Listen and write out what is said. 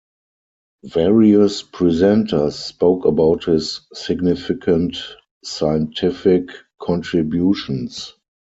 Various presenters spoke about his significant scientific contributions.